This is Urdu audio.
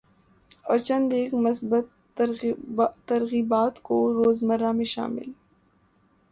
اور چند ایک مثبت ترغیبات کو روزمرہ میں شامل